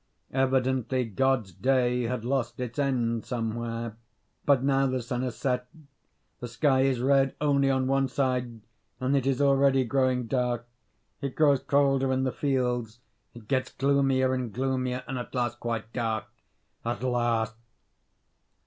Evidently, God's day had lost its end somewhere. But now the sun has set. The sky is red only on one side, and it is already growing dark. It grows colder in the fields. It gets gloomier and gloomier, and at last quite dark. At last!